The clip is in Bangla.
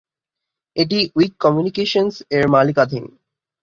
এটি উইক কমিউনিকেশনস এর মালিকানাধীন।